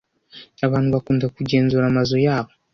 Abantu bakunda kugenzura amazu yabo.